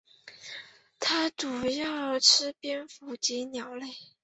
它们主要吃蝙蝠及鸟类。